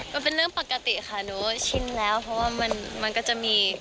ก็เป็นเรื่องปกติค่ะหนูชินแล้วเพราะว่ามันก็จะมี